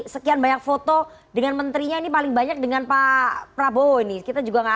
sekian banyak foto dengan menterinya ini paling banyak dengan pak prabowo ini kita juga nggak